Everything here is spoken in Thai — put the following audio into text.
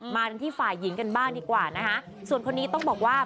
มากันที่ฝ่ายหญิงกันบ้างดีกว่านะคะส่วนคนนี้ต้องบอกว่า